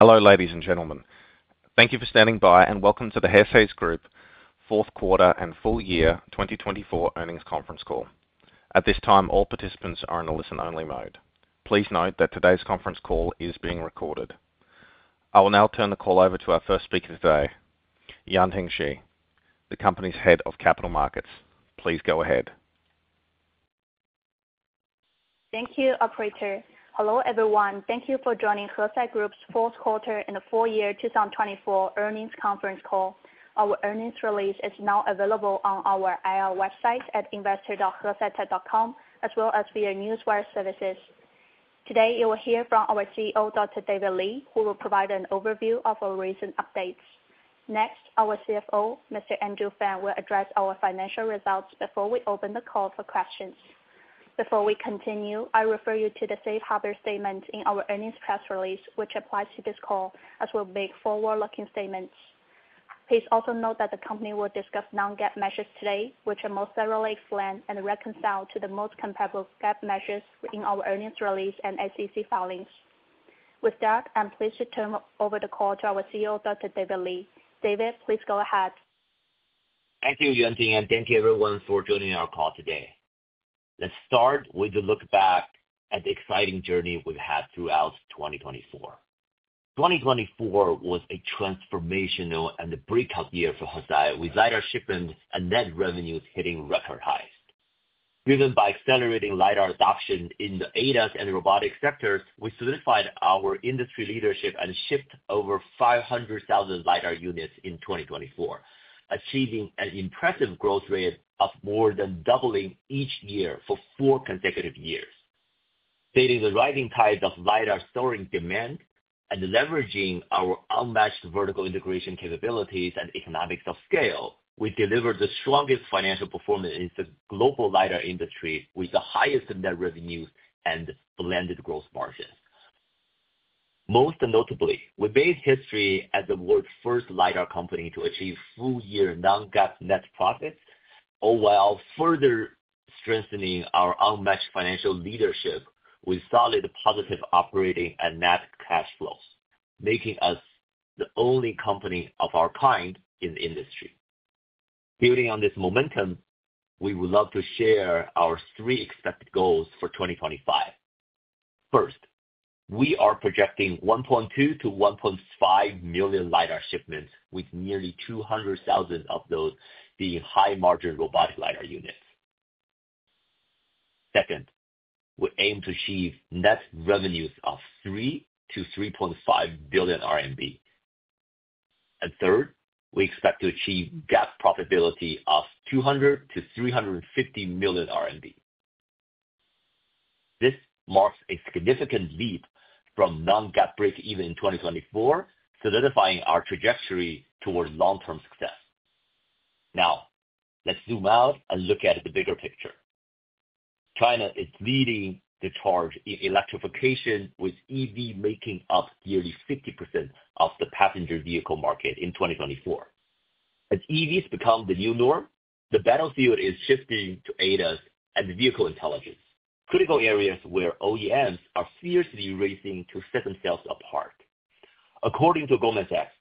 Hello, ladies and gentlemen. Thank you for standing by and welcome to the Hesai Group, Fourth Quarter and Full Year 2024 Earnings Conference Call. At this time, all participants are in a listen-only mode. Please note that today's conference call is being recorded. I will now turn the call over to our first speaker today, Yuanting Shi, the company's Head of Capital Markets. Please go ahead. Thank you, Operator. Hello, everyone. Thank you for joining Hesai Group's Fourth Quarter and Full Year 2024 Earnings Conference Call. Our earnings release is now available on our IR website at investor.hesaitech.com, as well as via newswire services. Today, you will hear from our CEO, Dr. David Li, who will provide an overview of our recent updates. Next, our CFO, Mr. Andrew Fan, will address our financial results before we open the call for questions. Before we continue, I refer you to the safe harbor statement in our earnings press release, which applies to this call, as we'll make forward-looking statements. Please also note that the company will discuss non-GAAP measures today, which are most thoroughly explained and reconciled to the most comparable GAAP measures in our earnings release and SEC filings. With that, I'm pleased to turn over the call to our CEO, Dr. David Li. David, please go ahead. Thank you, Yuanting, and thank you, everyone, for joining our call today. Let's start with a look back at the exciting journey we've had throughout 2024. 2024 was a transformational and a breakout year for Hesai, with LiDAR shipments and net revenues hitting record highs. Driven by accelerating LiDAR adoption in the ADAS and robotics sectors, we solidified our industry leadership and shipped over 500,000 LiDAR units in 2024, achieving an impressive growth rate of more than doubling each year for four consecutive years. Stating the rising tides of LiDAR soaring demand and leveraging our unmatched vertical integration capabilities and economics of scale, we delivered the strongest financial performance in the global LiDAR industry, with the highest net revenues and blended gross margins. Most notably, we made history as the world's first LiDAR company to achieve full-year non-GAAP net profits, all while further strengthening our unmatched financial leadership with solid positive operating and net cash flows, making us the only company of our kind in the industry. Building on this momentum, we would love to share our three expected goals for 2025. First, we are projecting 1.2-1.5 million LiDAR shipments, with nearly 200,000 of those being high-margin robotic LiDAR units. Second, we aim to achieve net revenues of 3-3.5 billion RMB. Third, we expect to achieve GAAP profitability of 200-350 million RMB. This marks a significant leap from non-GAAP break-even in 2024, solidifying our trajectory toward long-term success. Now, let's zoom out and look at the bigger picture. China is leading the charge in electrification, with EV making up nearly 50% of the passenger vehicle market in 2024. As EVs become the new norm, the battlefield is shifting to ADAS and vehicle intelligence, critical areas where OEMs are fiercely racing to set themselves apart. According to Goldman Sachs,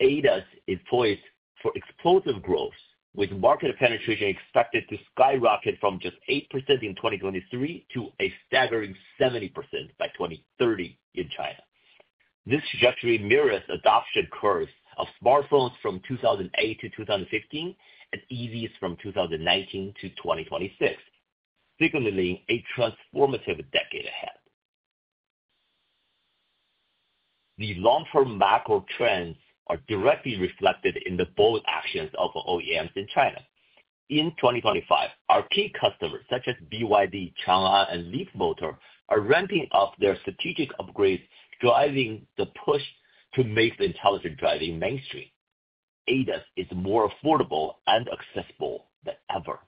ADAS is poised for explosive growth, with market penetration expected to skyrocket from just 8% in 2023 to a staggering 70% by 2030 in China. This trajectory mirrors adoption curves of smartphones from 2008 to 2015 and EVs from 2019 to 2026, signaling a transformative decade ahead. The long-term macro trends are directly reflected in the bold actions of OEMs in China. In 2025, our key customers, such as BYD, Changan Automobile, and Leapmotor, are ramping up their strategic upgrades, driving the push to make intelligent driving mainstream. ADAS is more affordable and accessible than ever.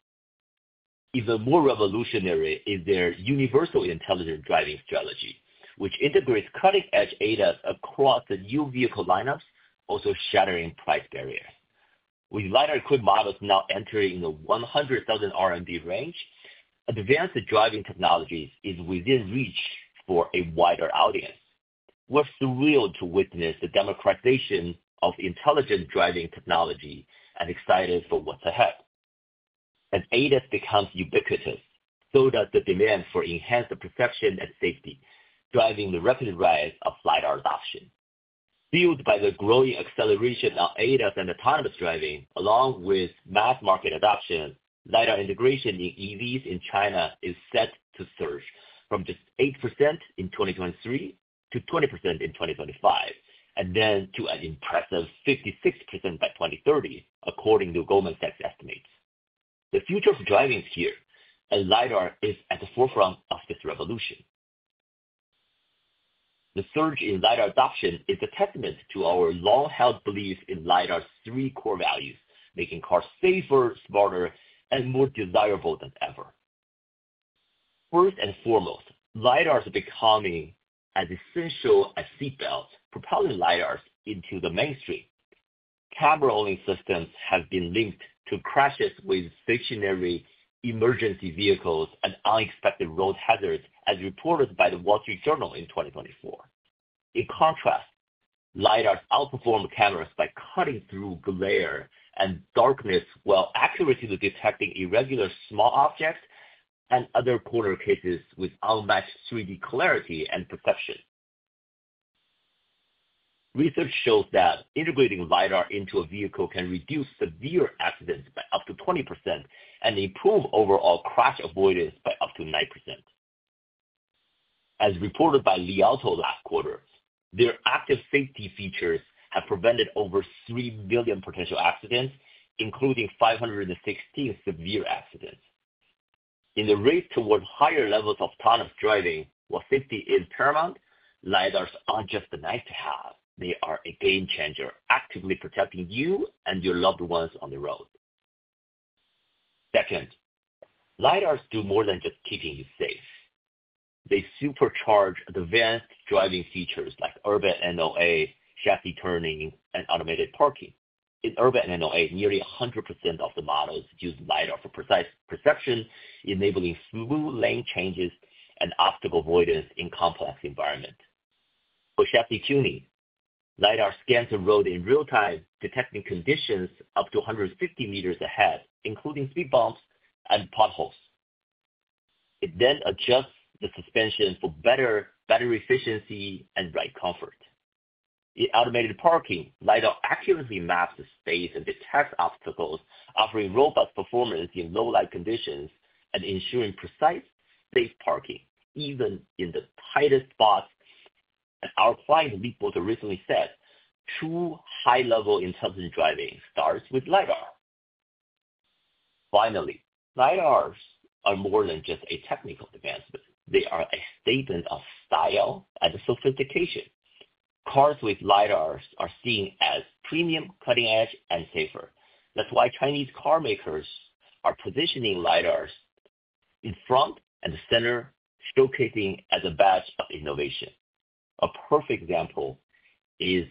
Even more revolutionary is their universal intelligent driving strategy, which integrates cutting-edge ADAS across the new vehicle lineups, also shattering price barriers. With LiDAR-equipped models now entering the 100,000 RMB range, advanced driving technologies are within reach for a wider audience. We're thrilled to witness the democratization of intelligent driving technology and excited for what's ahead. As ADAS becomes ubiquitous, so does the demand for enhanced perception and safety, driving the rapid rise of LiDAR adoption. Fueled by the growing acceleration of ADAS and autonomous driving, along with mass market adoption, LiDAR integration in EVs in China is set to surge from just 8% in 2023 to 20% in 2025, and then to an impressive 56% by 2030, according to Goldman Sachs' estimates. The future of driving is here, and LiDAR is at the forefront of this revolution. The surge in LiDAR adoption is a testament to our long-held belief in LiDAR's three core values, making cars safer, smarter, and more desirable than ever. First and foremost, LiDAR is becoming as essential as seat belts, propelling LiDAR into the mainstream. Camera-only systems have been linked to crashes with stationary emergency vehicles and unexpected road hazards, as reported by The Wall Street Journal in 2024. In contrast, LiDAR outperform cameras by cutting through glare and darkness, while accurately detecting irregular small objects and other corner cases with unmatched 3D clarity and perception. Research shows that integrating LiDAR into a vehicle can reduce severe accidents by up to 20% and improve overall crash avoidance by up to 9%. As reported by Li Auto last quarter, their active safety features have prevented over 3 million potential accidents, including 516 severe accidents. In the race toward higher levels of autonomous driving, while safety is paramount, LiDAR aren't just a nice-to-have; they are a game-changer, actively protecting you and your loved ones on the road. Second, LiDAR do more than just keeping you safe. They supercharge advanced driving features like urban NOA, chassis tuning, and automated parking. In urban NOA, nearly 100% of the models use LiDAR for precise perception, enabling smooth lane changes and obstacle avoidance in complex environments. For chassis tuning, LiDAR scans the road in real time, detecting conditions up to 150 meters ahead, including speed bumps and potholes. It then adjusts the suspension for better battery efficiency and ride comfort. In automated parking, LiDAR accurately maps the space and detects obstacles, offering robust performance in low-light conditions and ensuring precise safe parking even in the tightest spots. Our client, Leapmotor, recently said, "True high-level intelligent driving starts with LiDAR." Finally, LiDAR are more than just a technical advancement. They are a statement of style and sophistication. Cars with LiDAR are seen as premium, cutting-edge, and safer. That is why Chinese carmakers are positioning LiDAR in front and center, showcasing it as a badge of innovation. A perfect example is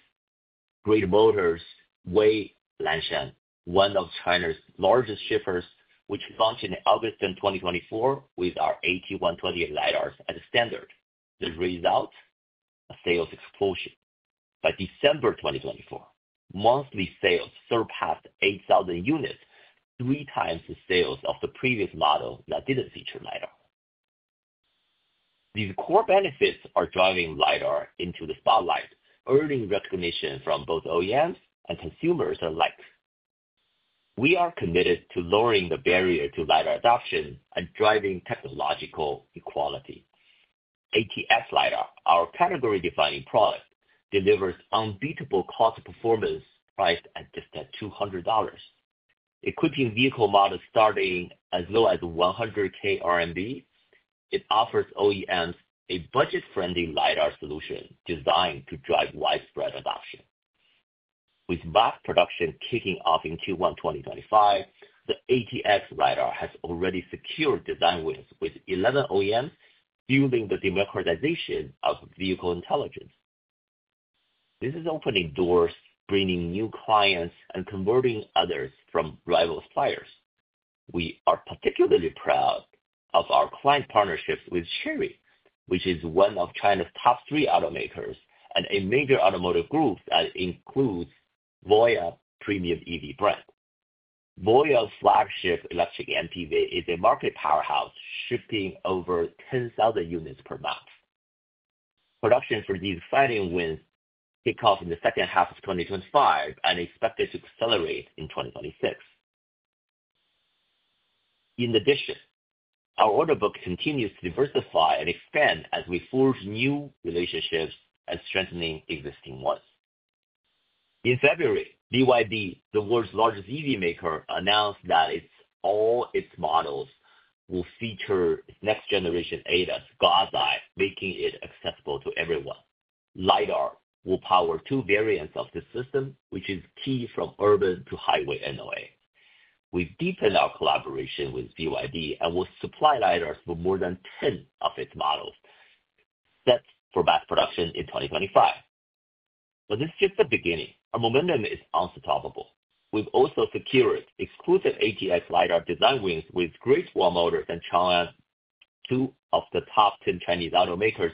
Great Wall Motor's WEY Lanshan, one of China's largest shippers, which launched in August 2024 with our AT128 LiDAR as a standard. The result? Sales explosion. By December 2024, monthly sales surpassed 8,000 units, three times the sales of the previous model that did not feature LiDAR. These core benefits are driving LiDAR into the spotlight, earning recognition from both OEMs and consumers alike. We are committed to lowering the barrier to LiDAR adoption and driving technological equality. ATX LiDAR, our category-defining product, delivers unbeatable cost-performance priced at just $200. Equipping vehicle models starting as low as 100,000 RMB, it offers OEMs a budget-friendly LiDAR solution designed to drive widespread adoption. With mass production kicking off in Q1 2025, the ATX LiDAR has already secured design wins with 11 OEMs, fueling the democratization of vehicle intelligence. This is opening doors, bringing new clients and converting others from rival suppliers. We are particularly proud of our client partnerships with Chery, which is one of China's top three automakers and a major automotive group that includes the VOYAH premium EV brand. VOYAH's flagship electric MPV is a market powerhouse, shipping over 10,000 units per month. Production for these exciting wins kicks off in the second half of 2025 and is expected to accelerate in 2026. In addition, our order book continues to diversify and expand as we forge new relationships and strengthen existing ones. In February, BYD, the world's largest EV maker, announced that all its models will feature next-generation ADAS, making it accessible to everyone. LiDAR will power two variants of the system, which is key from urban to highway NOA. We've deepened our collaboration with BYD and will supply LiDAR for more than 10 of its models, set for mass production in 2025. This is just the beginning. Our momentum is unstoppable. We've also secured exclusive AT128 LiDAR design wins with Great Wall Motor and Changan Automobile, two of the top 10 Chinese automakers,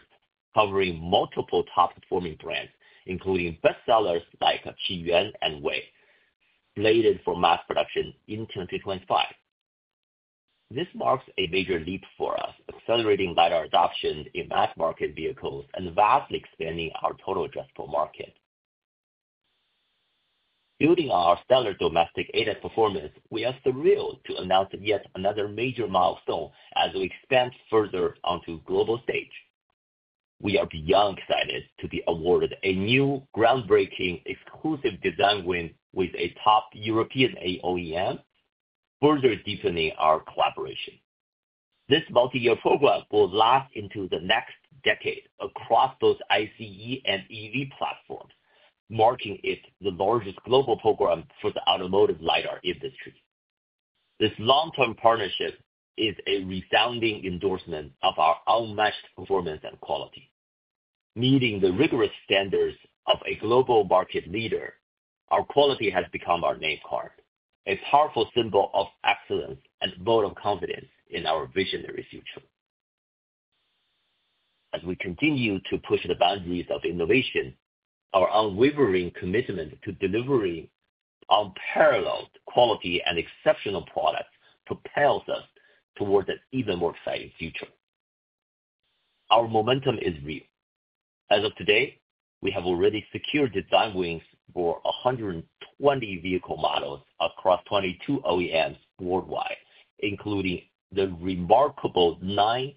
covering multiple top-performing brands, including bestsellers like Qiyuan and WEY, slated for mass production in 2025. This marks a major leap for us, accelerating LiDAR adoption in mass-market vehicles and vastly expanding our total addressable market. Building on our stellar domestic ADAS performance, we are thrilled to announce yet another major milestone as we expand further onto the global stage. We are beyond excited to be awarded a new groundbreaking exclusive design win with a top European OEM, further deepening our collaboration. This multi-year program will last into the next decade across both ICE and EV platforms, marking it the largest global program for the automotive LiDAR industry. This long-term partnership is a resounding endorsement of our unmatched performance and quality. Meeting the rigorous standards of a global market leader, our quality has become our name card, a powerful symbol of excellence and a vote of confidence in our visionary future. As we continue to push the boundaries of innovation, our unwavering commitment to delivering unparalleled quality and exceptional products propels us towards an even more exciting future. Our momentum is real. As of today, we have already secured design wins for 120 vehicle models across 22 OEMs worldwide, including the remarkable 9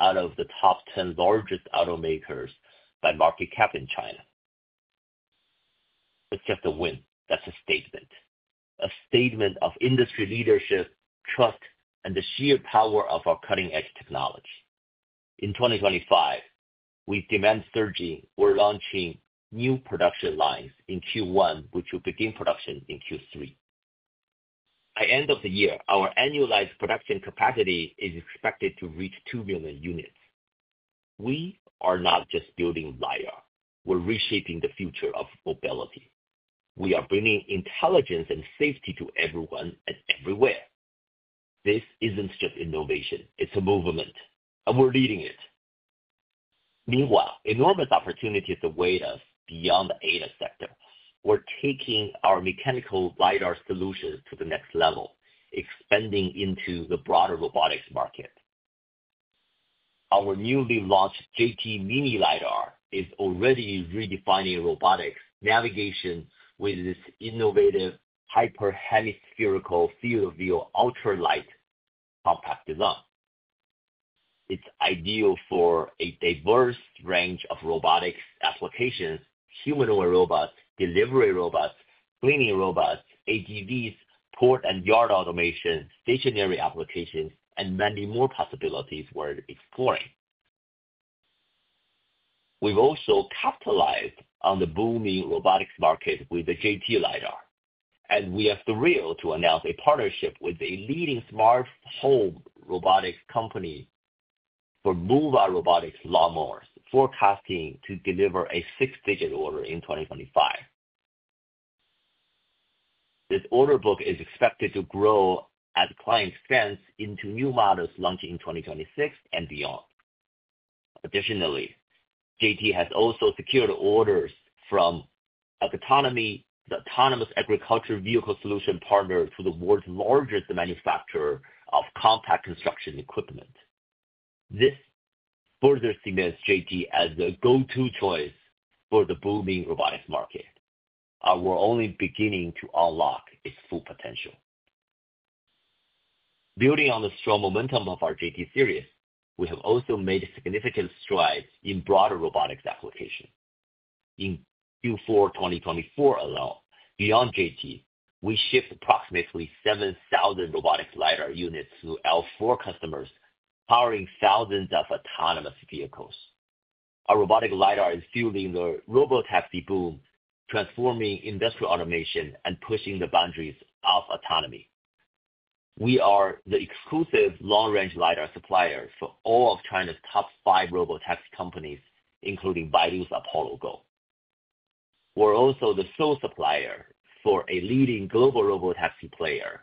out of the top 10 largest automakers by market cap in China. It's just a win. That's a statement. A statement of industry leadership, trust, and the sheer power of our cutting-edge technology. In 2025, with demand surging, we're launching new production lines in Q1, which will begin production in Q3. By the end of the year, our annualized production capacity is expected to reach 2 million units. We are not just building LiDAR. We're reshaping the future of mobility. We are bringing intelligence and safety to everyone and everywhere. This isn't just innovation. It's a movement. We're leading it. Meanwhile, enormous opportunities await us beyond the ADAS sector. We're taking our mechanical LiDAR solutions to the next level, expanding into the broader robotics market. Our newly launched JT Mini LiDAR is already redefining robotics navigation with its innovative hyperhemispherical field of view ultra-light compact design. It's ideal for a diverse range of robotics applications: humanoid robots, delivery robots, cleaning robots, AGVs, port and yard automation, stationary applications, and many more possibilities we're exploring. We've also capitalized on the booming robotics market with the JT LiDAR. We are thrilled to announce a partnership with a leading smart home robotics company for Mova Robotics lawnmowers, forecasting to deliver a six-digit order in 2025. This order book is expected to grow at client expense into new models launching in 2026 and beyond. Additionally, JT has also secured orders from Agtonomy, the autonomous agriculture vehicle solution partner, to the world's largest manufacturer of compact construction equipment. This further cements JT as the go-to choice for the booming robotics market. We're only beginning to unlock its full potential. Building on the strong momentum of our JT series, we have also made significant strides in broader robotics applications. In Q4 2024 alone, beyond JT, we shipped approximately 7,000 robotic LiDAR units to L4 customers, powering thousands of autonomous vehicles. Our robotic LiDAR is fueling the robotaxi boom, transforming industrial automation and pushing the boundaries of autonomy. We are the exclusive long-range LiDAR supplier for all of China's top five robotaxi companies, including Baidu's Apollo Go. We are also the sole supplier for a leading global robotaxi player,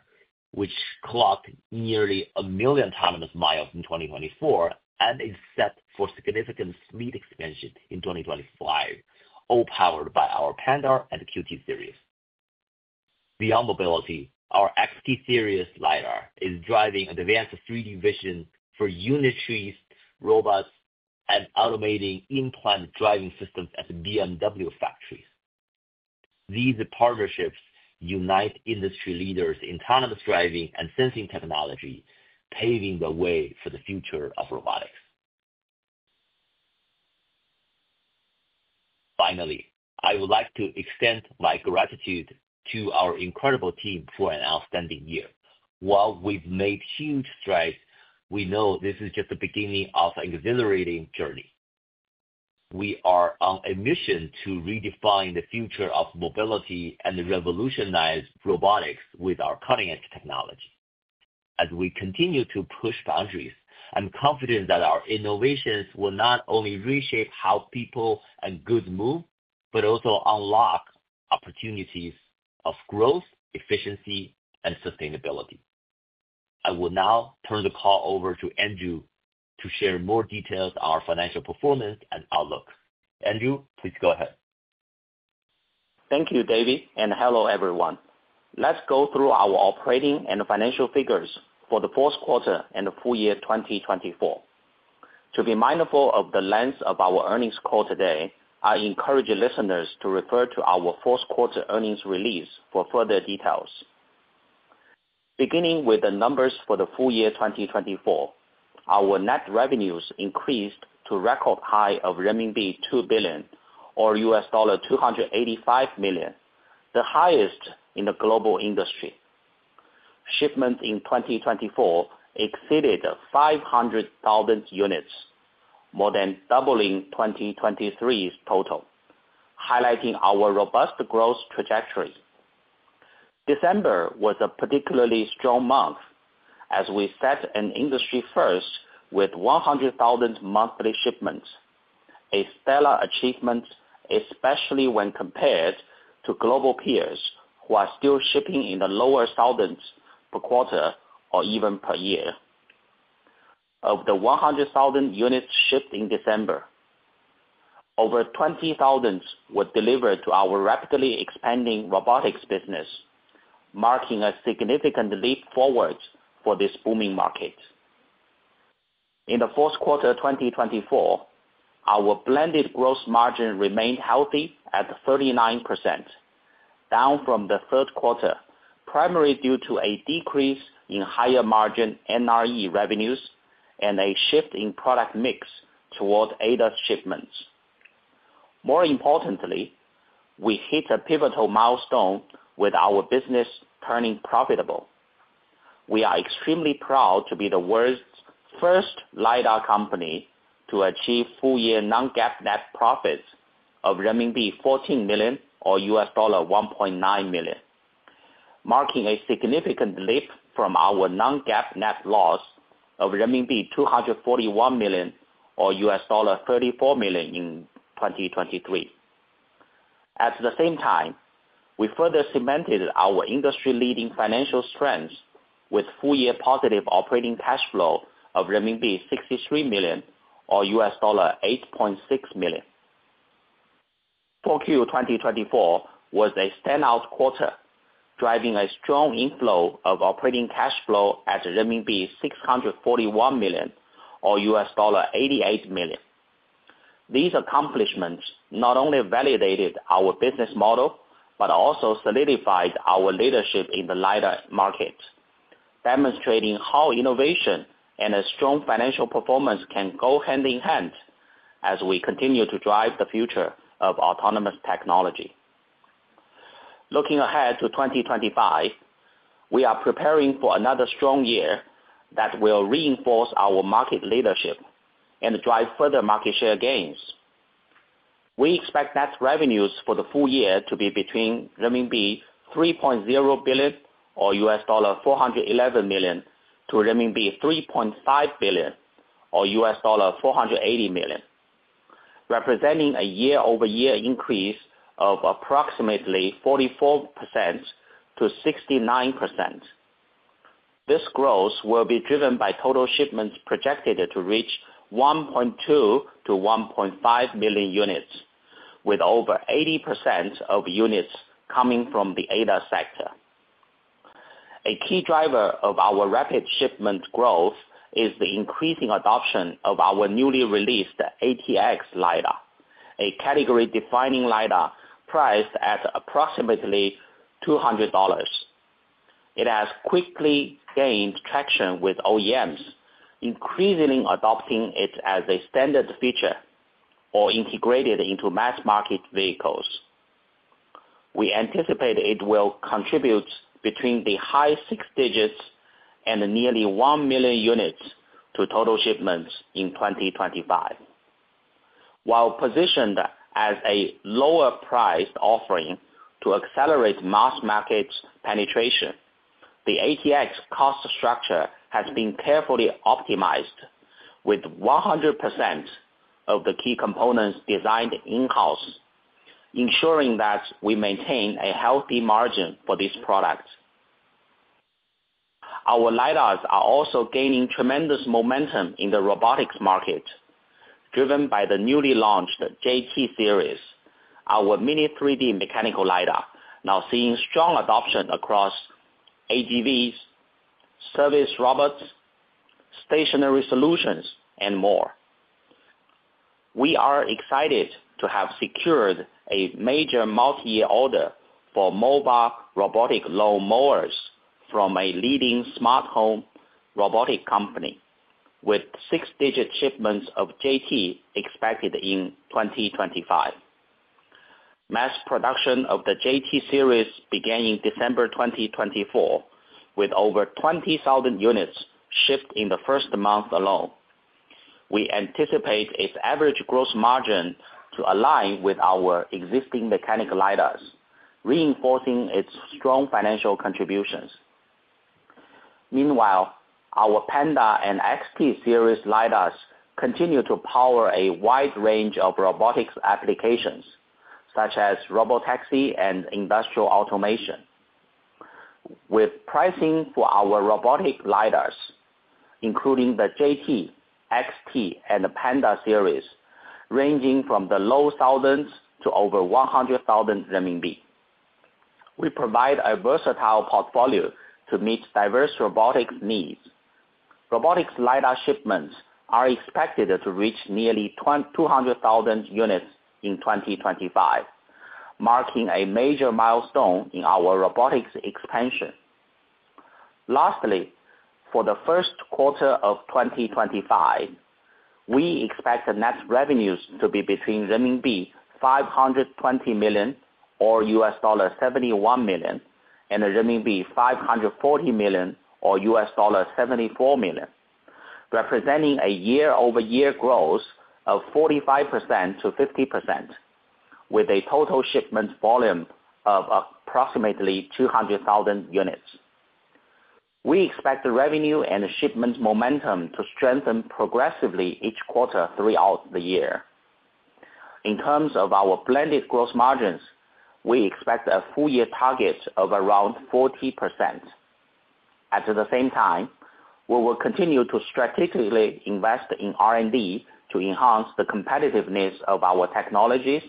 which clocked nearly a million autonomous miles in 2024 and is set for significant fleet expansion in 2025, all powered by our Pandar and QT series. Beyond mobility, our XT series LiDAR is driving advanced 3D vision for Unitree, robots, and automating in-plant driving systems at BMW factories. These partnerships unite industry leaders in autonomous driving and sensing technology, paving the way for the future of robotics. Finally, I would like to extend my gratitude to our incredible team for an outstanding year. While we've made huge strides, we know this is just the beginning of an exhilarating journey. We are on a mission to redefine the future of mobility and revolutionize robotics with our cutting-edge technology. As we continue to push boundaries, I'm confident that our innovations will not only reshape how people and goods move, but also unlock opportunities of growth, efficiency, and sustainability. I will now turn the call over to Andrew to share more details on our financial performance and outlook. Andrew, please go ahead. Thank you, David. And hello, everyone. Let's go through our operating and financial figures for the fourth quarter and the full year 2024. To be mindful of the length of our earnings call today, I encourage listeners to refer to our fourth quarter earnings release for further details. Beginning with the numbers for the full year 2024, our net revenues increased to a record high of renminbi 2 billion, or $285 million, the highest in the global industry. Shipments in 2024 exceeded 500,000 units, more than doubling 2023's total, highlighting our robust growth trajectory. December was a particularly strong month as we set an industry first with 100,000 monthly shipments, a stellar achievement, especially when compared to global peers who are still shipping in the lower thousands per quarter or even per year. Of the 100,000 units shipped in December, over 20,000 were delivered to our rapidly expanding robotics business, marking a significant leap forward for this booming market. In the fourth quarter of 2024, our blended gross margin remained healthy at 39%, down from the third quarter, primarily due to a decrease in higher margin NRE revenues and a shift in product mix toward ADAS shipments. More importantly, we hit a pivotal milestone with our business turning profitable. We are extremely proud to be the world's first LiDAR company to achieve full-year non-GAAP net profits of renminbi 14 million, or $1.9 million, marking a significant leap from our non-GAAP net loss of renminbi 241 million, or $34 million in 2023. At the same time, we further cemented our industry-leading financial strength with full-year positive operating cash flow of renminbi 63 million, or $8.6 million. Fourth quarter 2024 was a standout quarter, driving a strong inflow of operating cash flow at renminbi 641 million, or $88 million. These accomplishments not only validated our business model but also solidified our leadership in the LiDAR market, demonstrating how innovation and a strong financial performance can go hand in hand as we continue to drive the future of autonomous technology. Looking ahead to 2025, we are preparing for another strong year that will reinforce our market leadership and drive further market share gains. We expect net revenues for the full year to be between renminbi 3.0 billion, or $411 million, to renminbi 3.5 billion, or $480 million, representing a year-over-year increase of approximately 44%-69%. This growth will be driven by total shipments projected to reach 1.2-1.5 million units, with over 80% of units coming from the ADAS sector. A key driver of our rapid shipment growth is the increasing adoption of our newly released ATX LiDAR, a category-defining LiDAR priced at approximately $200. It has quickly gained traction with OEMs, increasingly adopting it as a standard feature or integrated into mass-market vehicles. We anticipate it will contribute between the high six digits and nearly 1 million units to total shipments in 2025. While positioned as a lower-priced offering to accelerate mass-market penetration, the ATX cost structure has been carefully optimized with 100% of the key components designed in-house, ensuring that we maintain a healthy margin for this product. Our LiDAR are also gaining tremendous momentum in the robotics market, driven by the newly launched JT series, our mini 3D mechanical LiDAR, now seeing strong adoption across AGVs, service robots, stationary solutions, and more. We are excited to have secured a major multi-year order for Mova Robotics lawnmowers from a leading smart home robotic company, with six-digit shipments of JT expected in 2025. Mass production of the JT series began in December 2024, with over 20,000 units shipped in the first month alone. We anticipate its average gross margin to align with our existing mechanical LiDAR, reinforcing its strong financial contributions. Meanwhile, our Pandar and XT series LiDAR continue to power a wide range of robotics applications, such as robotaxi and industrial automation. With pricing for our robotic LiDAR, including the JT, XT, and Pandar series, ranging from the low thousands to over 100,000 renminbi, we provide a versatile portfolio to meet diverse robotics needs. Robotics LiDAR shipments are expected to reach nearly 200,000 units in 2025, marking a major milestone in our robotics expansion. Lastly, for the first quarter of 2025, we expect net revenues to be between renminbi 520 million, or $71 million, and renminbi 540 million, or $74 million, representing a year-over-year growth of 45%-50%, with a total shipment volume of approximately 200,000 units. We expect the revenue and shipment momentum to strengthen progressively each quarter throughout the year. In terms of our blended gross margins, we expect a full-year target of around 40%. At the same time, we will continue to strategically invest in R&D to enhance the competitiveness of our technologies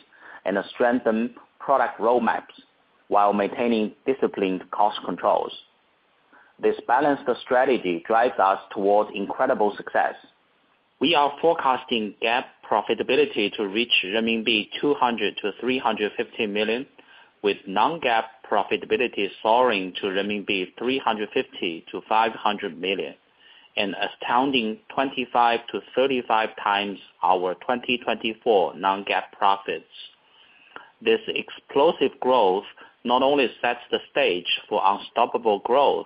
and strengthen product roadmaps while maintaining disciplined cost controls. This balanced strategy drives us toward incredible success. We are forecasting GAAP profitability to reach renminbi 200-350 million, with non-GAAP profitability soaring to renminbi 350-500 million, an astounding 25-35 times our 2024 non-GAAP profits. This explosive growth not only sets the stage for unstoppable growth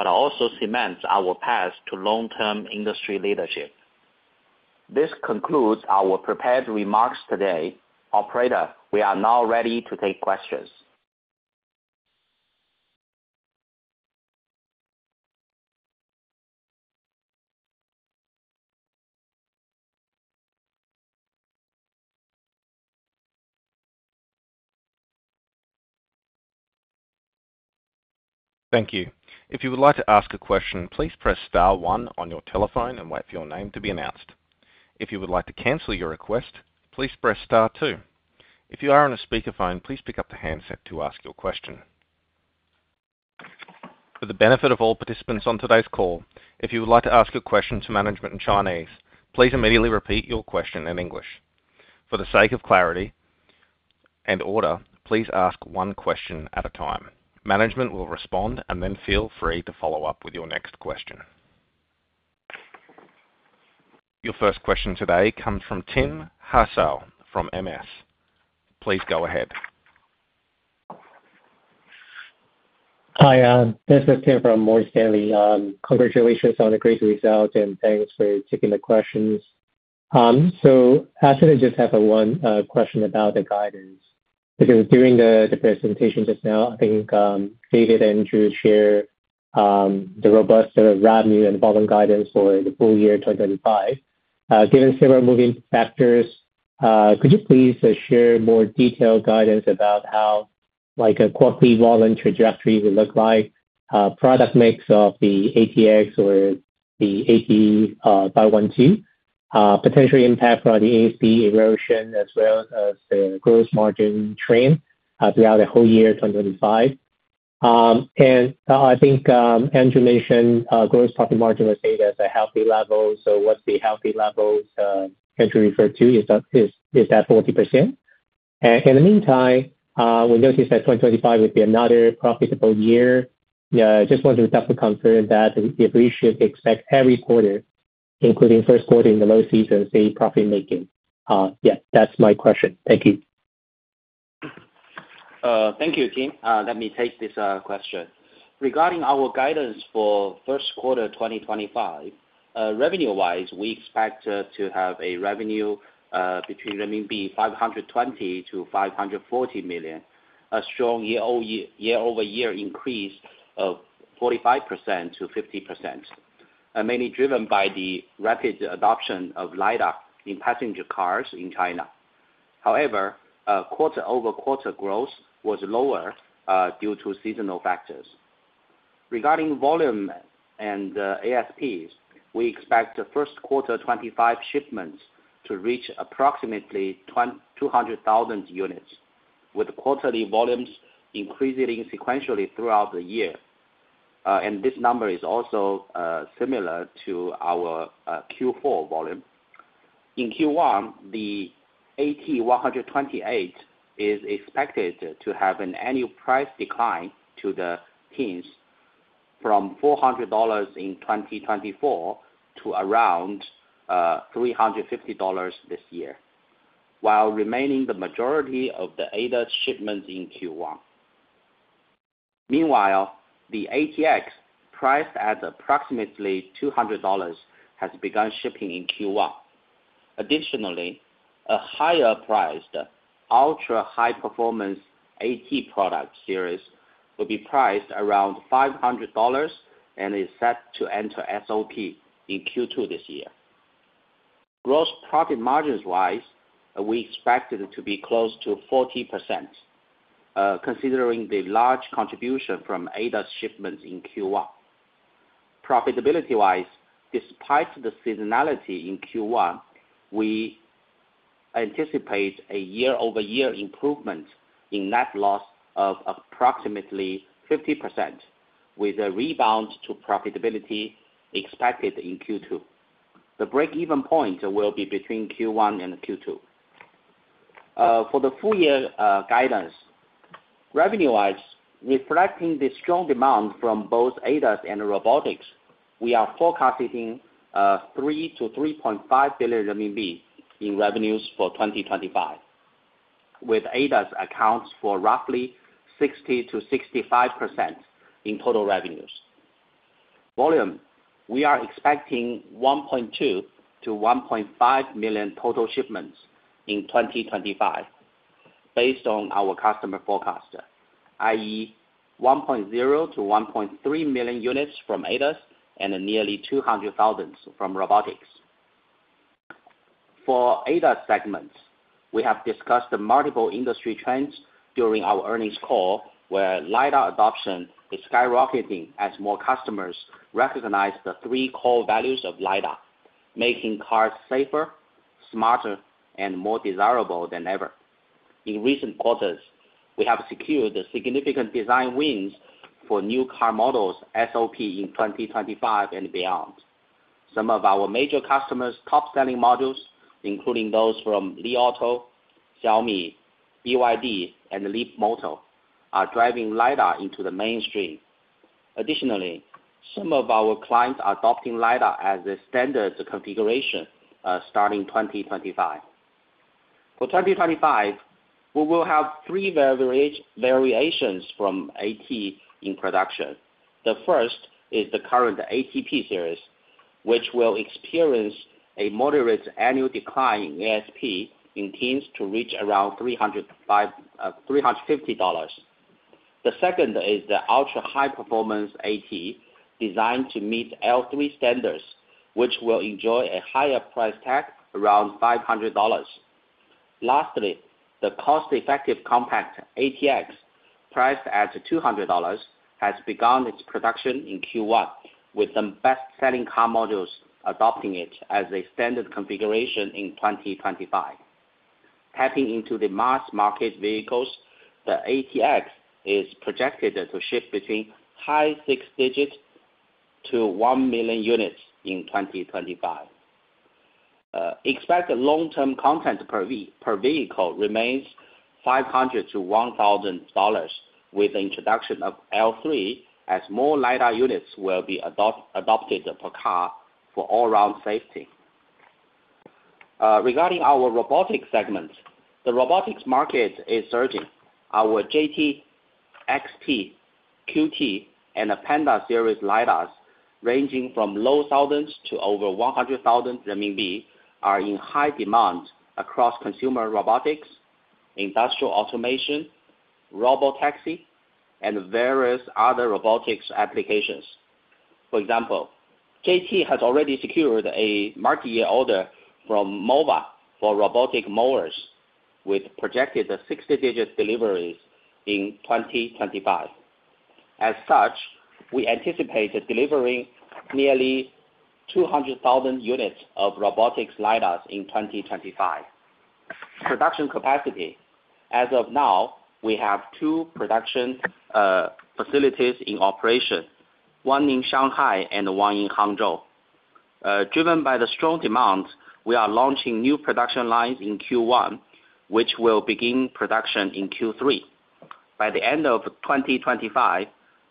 but also cements our path to long-term industry leadership. This concludes our prepared remarks today. Operator, we are now ready to take questions. Thank you. If you would like to ask a question, please press star one on your telephone and wait for your name to be announced. If you would like to cancel your request, please press star two. If you are on a speakerphone, please pick up the handset to ask your question. For the benefit of all participants on today's call, if you would like to ask a question to management in Chinese, please immediately repeat your question in English. For the sake of clarity and order, please ask one question at a time. Management will respond and then feel free to follow up with your next question. Your first question today comes from Tim Hsiao from MS. Please go ahead. Hi, this is Tim from Morgan Stanley. Congratulations on the great results and thanks for taking the questions. I actually just have one question about the guidance. Because during the presentation just now, I think David and Andrew shared the robust revenue and volume guidance for the full year 2025. Given similar moving factors, could you please share more detailed guidance about how a quarterly volume trajectory would look like, product mix of the ATX or the AT512, potential impact on the ASP erosion, as well as the gross margin trend throughout the whole year 2025? I think Andrew mentioned gross profit margin was set at a healthy level. What is the healthy level Andrew referred to? Is that 40%? In the meantime, we noticed that 2025 would be another profitable year. Just want to double-confirm that we should expect every quarter, including first quarter in the low season, to see profit-making. Yeah, that's my question. Thank you. Thank you, Tim. Let me take this question. Regarding our guidance for first quarter 2025, revenue-wise, we expect to have a revenue between renminbi 520-540 million, a strong year-over-year increase of 45%-50%, mainly driven by the rapid adoption of LiDAR in passenger cars in China. However, quarter-over-quarter growth was lower due to seasonal factors. Regarding volume and ASPs, we expect the first quarter 2025 shipments to reach approximately 200,000 units, with quarterly volumes increasing sequentially throughout the year. This number is also similar to our Q4 volume. In Q1, the AT128 is expected to have an annual price decline to the teens from $400 in 2024 to around $350 this year, while remaining the majority of the ADAS shipments in Q1. Meanwhile, the ATX priced at approximately $200 has begun shipping in Q1. Additionally, a higher-priced ultra-high-performance AT product series will be priced around $500 and is set to enter SOP in Q2 this year. Gross profit margins-wise, we expect it to be close to 40%, considering the large contribution from ADAS shipments in Q1. Profitability-wise, despite the seasonality in Q1, we anticipate a year-over-year improvement in net loss of approximately 50%, with a rebound to profitability expected in Q2. The break-even point will be between Q1 and Q2. For the full-year guidance, revenue-wise, reflecting the strong demand from both ADAS and robotics, we are forecasting 3 billion-3.5 billion RMB in revenues for 2025, with ADAS accounting for roughly 60%-65% in total revenues. Volume, we are expecting 1.2 million-1.5 million total shipments in 2025, based on our customer forecast, i.e., 1.0 million-1.3 million units from ADAS and nearly 200,000 from robotics. For ADAS segments, we have discussed multiple industry trends during our Earnings Call, where LiDAR adoption is skyrocketing as more customers recognize the three core values of LiDAR, making cars safer, smarter, and more desirable than ever. In recent quarters, we have secured significant design wins for new car models SOP in 2025 and beyond. Some of our major customers' top-selling models, including those from Li Auto, Xiaomi, BYD, and Leapmotor, are driving LiDAR into the mainstream. Additionally, some of our clients are adopting LiDAR as a standard configuration starting 2025. For 2025, we will have three variations from AT in production. The first is the current AT series, which will experience a moderate annual decline in ASP in teens to reach around $350. The second is the ultra-high-performance AT, designed to meet L3 standards, which will enjoy a higher price tag around $500. Lastly, the cost-effective compact ATX, priced at $200, has begun its production in Q1, with some best-selling car models adopting it as a standard configuration in 2025. Tapping into the mass-market vehicles, the ATX is projected to shift between high six digits to 1 million units in 2025. Expected long-term content per vehicle remains $500-$1,000, with the introduction of L3 as more LiDAR units will be adopted per car for all-around safety. Regarding our robotics segment, the robotics market is surging. Our JT, XT, QT, and Pandar series LiDAR, ranging from low thousands to over 100,000 renminbi, are in high demand across consumer robotics, industrial automation, robotaxi, and various other robotics applications. For example, JT has already secured a multi-year order from Mova for robotic mowers, with projected 60,000 deliveries in 2025. As such, we anticipate delivering nearly 200,000 units of robotics LiDAR in 2025. Production capacity: as of now, we have two production facilities in operation, one in Shanghai and one in Hangzhou. Driven by the strong demand, we are launching new production lines in Q1, which will begin production in Q3. By the end of 2025,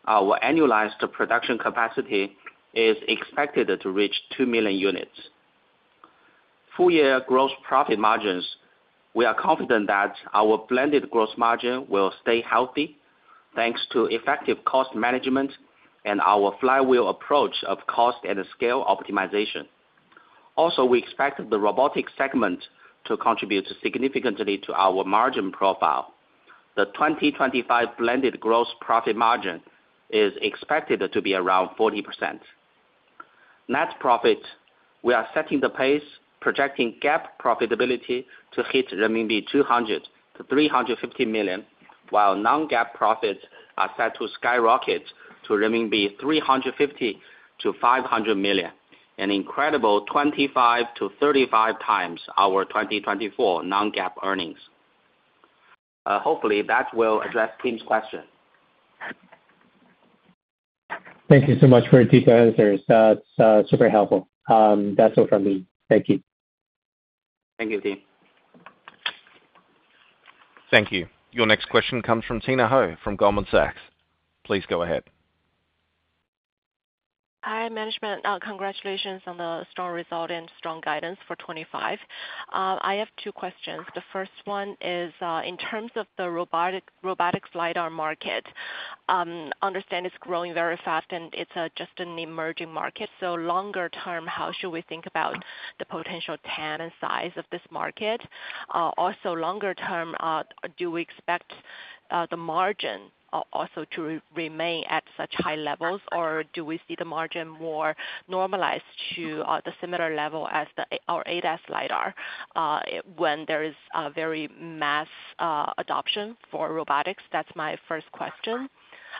our annualized production capacity is expected to reach 2 million units. Full-year gross profit margins: we are confident that our blended gross margin will stay healthy, thanks to effective cost management and our flywheel approach of cost and scale optimization. Also, we expect the robotics segment to contribute significantly to our margin profile. The 2025 blended gross profit margin is expected to be around 40%. Net profit: we are setting the pace, projecting GAAP profitability to hit RMB 200-350 million, while non-GAAP profits are set to skyrocket to RMB 350-500 million, an incredible 25-35 times our 2024 non-GAAP earnings. Hopefully, that will address Tim's question. Thank you so much for your deep answers. That's super helpful. That's all from me. Thank you. Thank you, Tim. Thank you. Your next question comes from Tina Hou from Goldman Sachs. Please go ahead. Hi, management. Congratulations on the strong result and strong guidance for 2025. I have two questions. The first one is, in terms of the robotics LiDAR market, I understand it's growing very fast, and it's just an emerging market. Longer term, how should we think about the potential time and size of this market? Also, longer term, do we expect the margin also to remain at such high levels, or do we see the margin more normalized to the similar level as our ADAS LiDAR when there is a very mass adoption for robotics? That's my first question.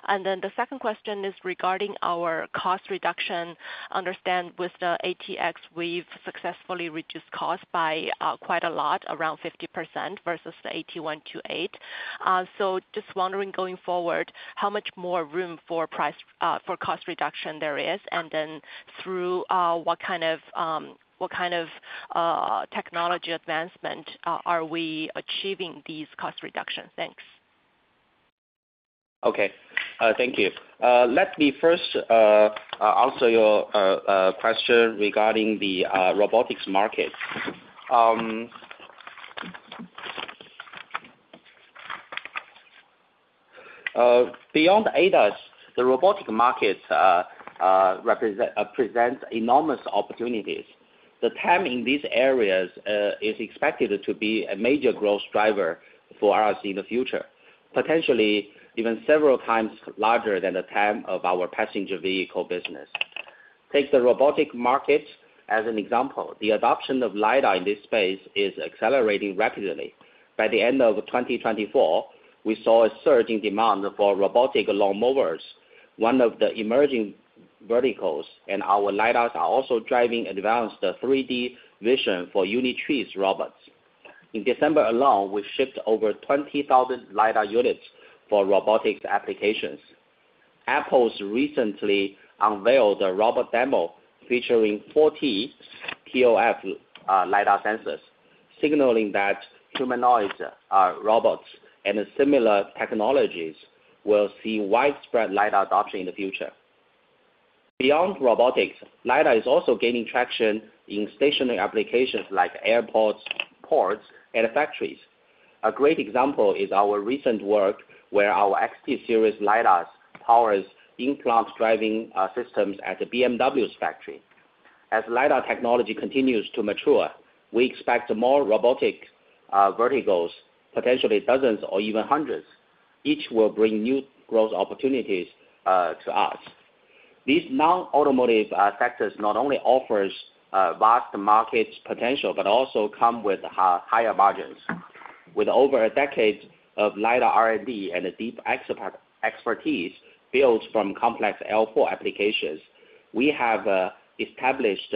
The second question is regarding our cost reduction. I understand with the ATX, we've successfully reduced costs by quite a lot, around 50% versus the AT128. Just wondering, going forward, how much more room for cost reduction there is, and then through what kind of technology advancement are we achieving these cost reductions? Thanks. Okay. Thank you. Let me first answer your question regarding the robotics market. Beyond ADAS, the robotics market presents enormous opportunities. The TAM in these areas is expected to be a major growth driver for us in the future, potentially even several times larger than the TAM of our passenger vehicle business. Take the robotics market as an example. The adoption of LiDAR in this space is accelerating rapidly. By the end of 2024, we saw a surge in demand for robotic lawnmowers, one of the emerging verticals, and our LiDAR are also driving advanced 3D vision for unitree robots. In December alone, we shipped over 20,000 LiDAR units for robotics applications. Apple recently unveiled a robot demo featuring 40 ToF LiDAR sensors, signaling that humanoid robots and similar technologies will see widespread LiDAR adoption in the future. Beyond robotics, LiDAR is also gaining traction in stationary applications like airports, ports, and factories. A great example is our recent work where our XT series LiDAR powers in-plant driving systems at BMW's factory. As LiDAR technology continues to mature, we expect more robotic verticals, potentially dozens or even hundreds. Each will bring new growth opportunities to us. These non-automotive sectors not only offer vast market potential but also come with higher margins. With over a decade of LiDAR R&D and deep expertise built from complex L4 applications, we have established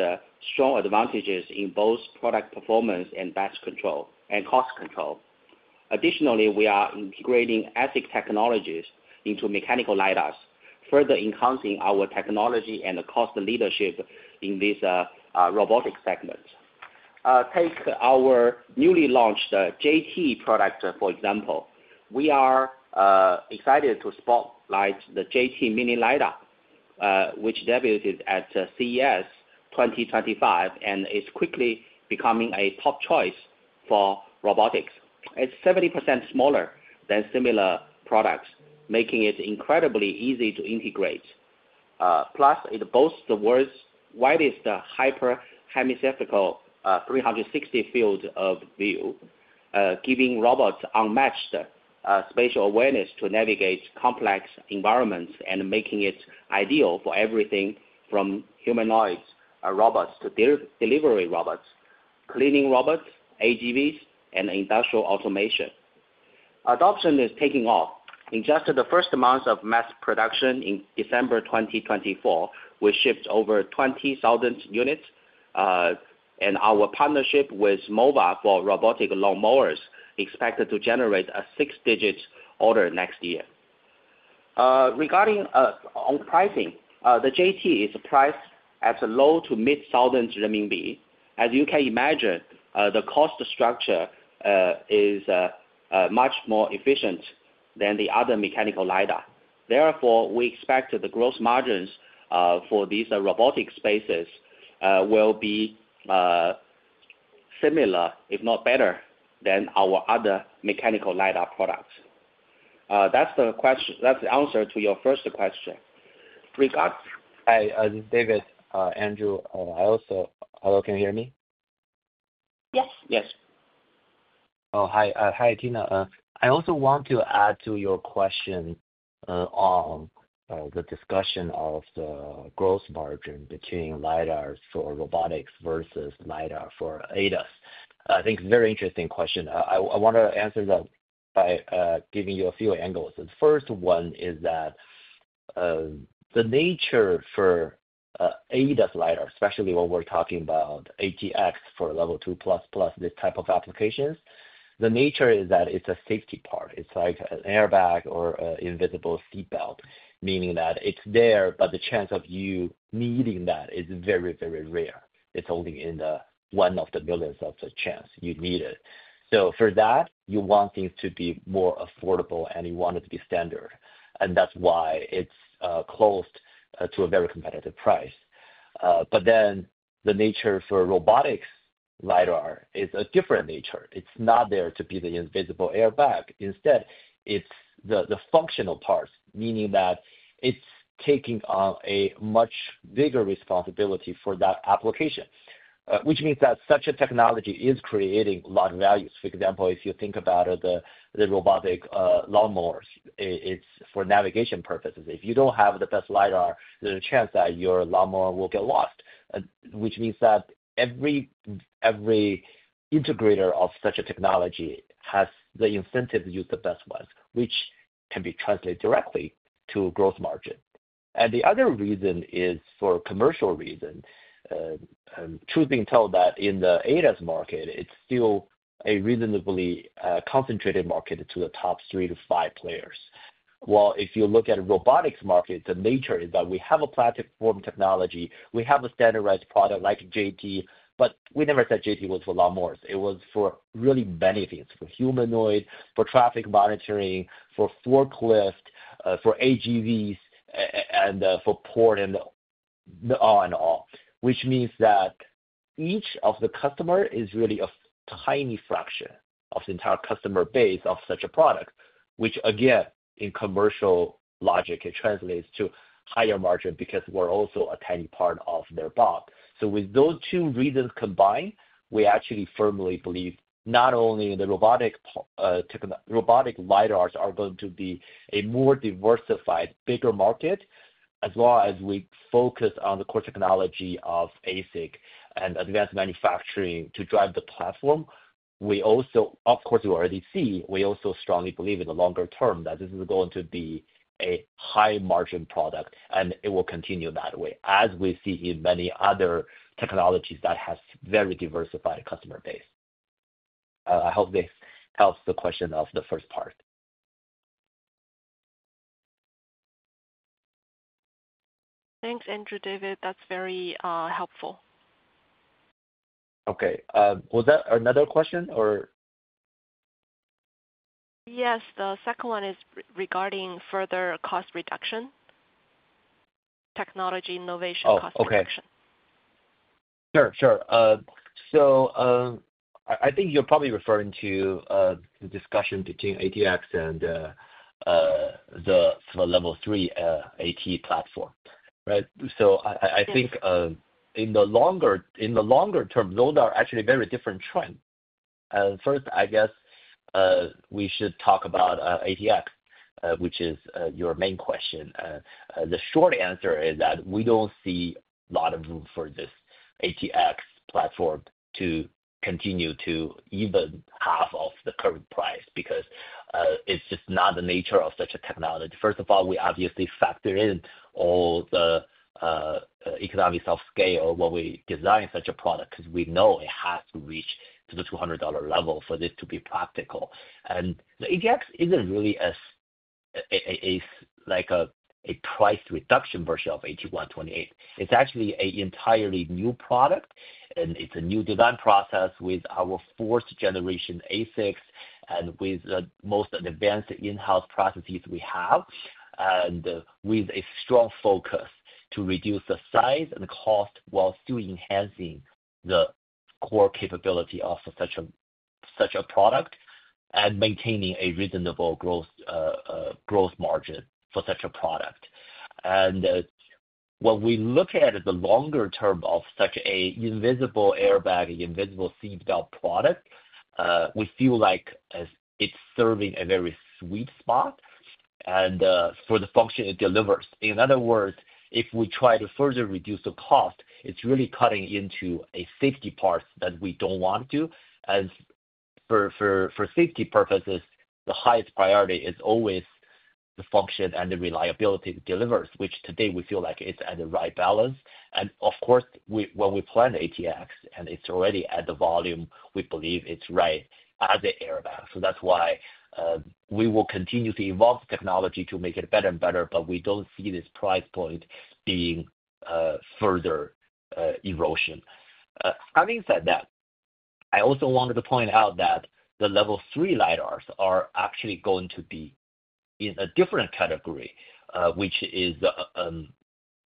strong advantages in both product performance and cost control. Additionally, we are integrating ASIC technologies into mechanical LiDAR, further enhancing our technology and cost leadership in this robotics segment. Take our newly launched JT product, for example. We are excited to spotlight the JT Mini LiDAR, which debuted at CES 2025 and is quickly becoming a top choice for robotics. It's 70% smaller than similar products, making it incredibly easy to integrate. Plus, it boasts the widest hyper-hemispherical 360 field of view, giving robots unmatched spatial awareness to navigate complex environments and making it ideal for everything from humanoid robots to delivery robots, cleaning robots, AGVs, and industrial automation. Adoption is taking off. In just the first month of mass production in December 2024, we shipped over 20,000 units, and our partnership with Mova for robotic lawnmowers is expected to generate a six-digit order next year. Regarding pricing, the JT is priced at low to mid thousands RMB. As you can imagine, the cost structure is much more efficient than the other mechanical LiDAR. Therefore, we expect the gross margins for these robotic spaces will be similar, if not better, than our other mechanical LiDAR products. That's the answer to your first question. Hi. This is David. Hello. Can you hear me? Yes. Yes. Oh, hi. Hi, Tina. I also want to add to your question on the discussion of the gross margin between LiDAR for robotics versus LiDAR for ADAS. I think it's a very interesting question. I want to answer that by giving you a few angles. The first one is that the nature for ADAS LiDAR, especially what we're talking about, ATX for level 2++, this type of applications, the nature is that it's a safety part. It's like an airbag or an invisible seatbelt, meaning that it's there, but the chance of you needing that is very, very rare. It's only in one of the millions of chances you need it. For that, you want things to be more affordable, and you want it to be standard. That's why it's close to a very competitive price. The nature for robotics LiDAR is a different nature. It's not there to be the invisible airbag. Instead, it's the functional parts, meaning that it's taking on a much bigger responsibility for that application, which means that such a technology is creating a lot of value. For example, if you think about the robotic lawnmowers, it's for navigation purposes. If you don't have the best LiDAR, there's a chance that your lawnmower will get lost, which means that every integrator of such a technology has the incentive to use the best ones, which can be translated directly to gross margin. The other reason is for commercial reasons. Truth be told, that in the ADAS market, it's still a reasonably concentrated market to the top three to five players. If you look at a robotics market, the nature is that we have a platform technology. We have a standardized product like JT, but we never said JT was for lawnmowers. It was for really many things: for humanoid, for traffic monitoring, for forklift, for AGVs, and for port and all in all, which means that each of the customers is really a tiny fraction of the entire customer base of such a product, which, again, in commercial logic, it translates to higher margin because we're also a tiny part of their bot. With those two reasons combined, we actually firmly believe not only the robotic LiDAR are going to be a more diversified, bigger market, as well as we focus on the core technology of ASIC and advanced manufacturing to drive the platform. Of course, we already see we also strongly believe in the longer term that this is going to be a high-margin product, and it will continue that way, as we see in many other technologies that have very diversified customer base. I hope this helps the question of the first part. Thanks, Andrew, David. That's very helpful. Okay. Was that another question, or? Yes. The second one is regarding further cost reduction, technology innovation, cost reduction. Okay. Sure, sure. I think you're probably referring to the discussion between ATX and the L3 AT platform, right? I think in the longer term, those are actually very different trends. First, I guess we should talk about ATX, which is your main question. The short answer is that we don't see a lot of room for this ATX platform to continue to even half of the current price because it's just not the nature of such a technology. First of all, we obviously factor in all the economics of scale when we design such a product because we know it has to reach to the $200 level for this to be practical. The ATX isn't really like a price reduction version of AT128. It's actually an entirely new product, and it's a new design process with our fourth-generation ASIC and with the most advanced in-house processes we have, with a strong focus to reduce the size and the cost while still enhancing the core capability of such a product and maintaining a reasonable gross margin for such a product. When we look at the longer term of such an invisible airbag, invisible seatbelt product, we feel like it's serving a very sweet spot for the function it delivers. In other words, if we try to further reduce the cost, it's really cutting into a safety part that we don't want to. For safety purposes, the highest priority is always the function and the reliability it delivers, which today we feel like it's at the right balance. Of course, when we plan ATX and it's already at the volume, we believe it's right as an airbag. That's why we will continue to evolve the technology to make it better and better, but we don't see this price point being further erosion. Having said that, I also wanted to point out that the L3 LiDAR are actually going to be in a different category, which is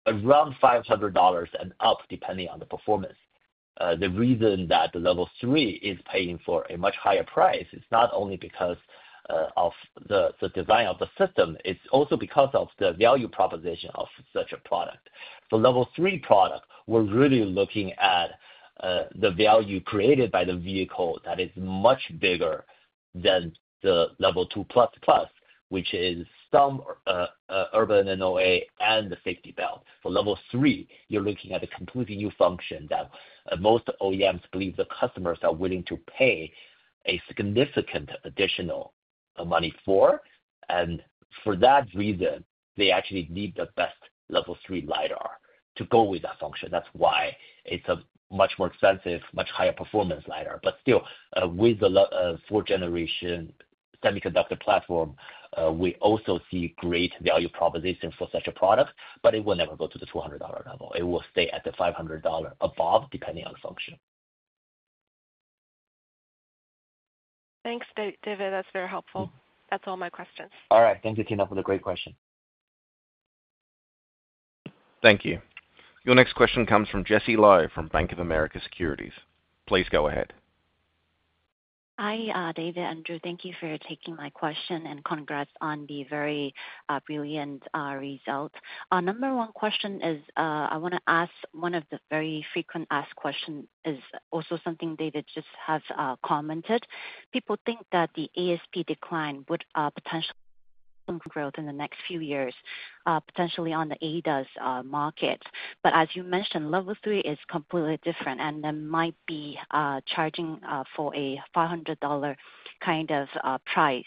around $500 and up, depending on the performance. The reason that the L3 is paying for a much higher price is not only because of the design of the system. It's also because of the value proposition of such a product. For L3 products, we're really looking at the value created by the vehicle that is much bigger than the level 2++, which is some urban and NOA and the safety belt. For L3, you're looking at a completely new function that most OEMs believe the customers are willing to pay a significant additional money for. For that reason, they actually need the best L3 LiDAR to go with that function. That's why it's a much more expensive, much higher-performance LiDAR. Still, with the fourth-generation semiconductor platform, we also see great value proposition for such a product, but it will never go to the $200 level. It will stay at the $500 above, depending on the function. Thanks, David. That's very helpful. That's all my questions. All right. Thank you, Tina, for the great question. Thank you. Your next question comes from Jessie Lo from Bank of America Securities. Please go ahead. Hi, David, Andrew. Thank you for taking my question and congrats on the very brilliant result. Our number one question is I want to ask one of the very frequently asked questions is also something David just has commented. People think that the ASP decline would potentially growth in the next few years, potentially on the ADAS market. As you mentioned, L3 is completely different, and there might be charging for a $500 kind of price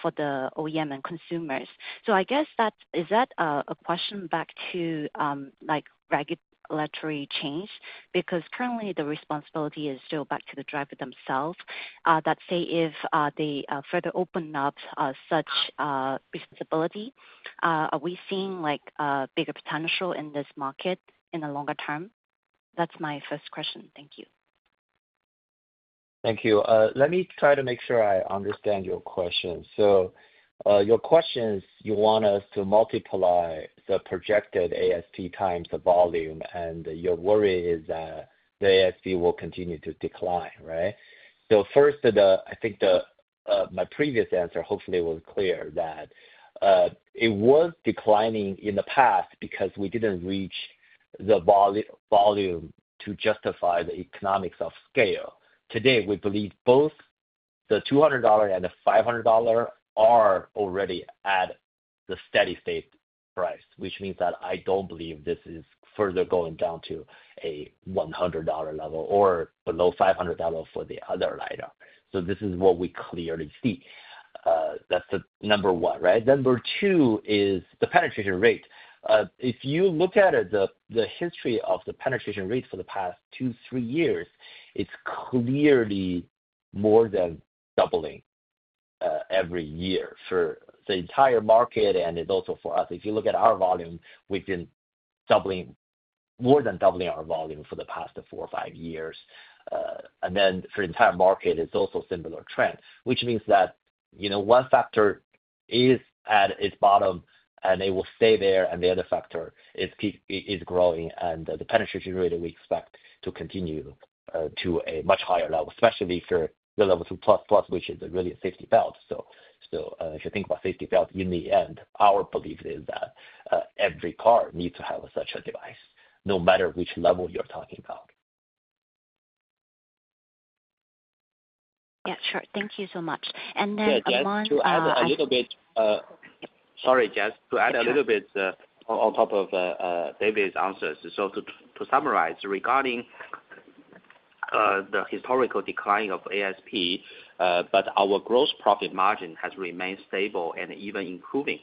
for the OEM and consumers. I guess that is that a question back to regulatory change? Because currently, the responsibility is still back to the driver themselves. Let's say if they further open up such responsibility, are we seeing a bigger potential in this market in the longer term? That's my first question. Thank you. Thank you. Let me try to make sure I understand your question. Your questions, you want us to multiply the projected ASP times the volume, and your worry is that the ASP will continue to decline, right? First, I think my previous answer hopefully was clear that it was declining in the past because we did not reach the volume to justify the economics of scale. Today, we believe both the $200 and the $500 are already at the steady-state price, which means that I do not believe this is further going down to a $100 level or below $500 level for the other LiDAR. This is what we clearly see. That is number one, right? Number two is the penetration rate. If you look at the history of the penetration rate for the past two, three years, it's clearly more than doubling every year for the entire market and is also for us. If you look at our volume, we've been doubling, more than doubling our volume for the past four or five years. For the entire market, it's also a similar trend, which means that one factor is at its bottom and it will stay there, and the other factor is growing. The penetration rate we expect to continue to a much higher level, especially for the level 2++, which is really a safety belt. If you think about safety belt, in the end, our belief is that every car needs to have such a device, no matter which level you're talking about. Yeah, sure. Thank you so much. I want to add. Can I add a little bit? Sorry, Jess, to add a little bit on top of David's answers. To summarize, regarding the historical decline of ASP, but our gross profit margin has remained stable and even improving.